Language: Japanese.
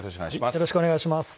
よろしくお願いします。